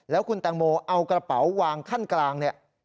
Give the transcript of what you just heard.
แล้วคุณแตงโมเอากระเป๋าวางขั้นกลางเนี่ย